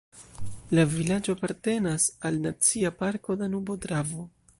La vilaĝo apartenas al Nacia parko Danubo-Dravo.